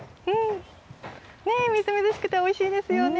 みずみずしくておいしいですよね。